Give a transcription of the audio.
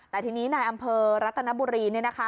แต่ทีนี้นายอำเภอรัตนบุรี